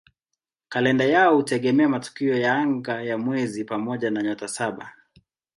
Kalenda yao hutegemea matukio ya anga ya mwezi pamoja na "Nyota Saba".